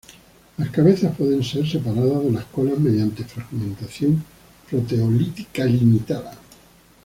Las cabezas pueden ser separadas de las colas mediante fragmentación proteolítica limitada.